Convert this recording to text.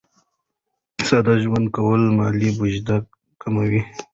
ساده ژوند کول مالي بوج کموي.